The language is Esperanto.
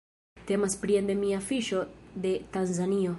Temas pri endemia fiŝo de Tanzanio.